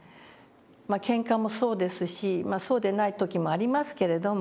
まあけんかもそうですしそうでない時もありますけれども。